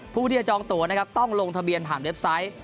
ผู้ที่จะจองตัวนะครับต้องลงทะเบียนผ่านเว็บไซต์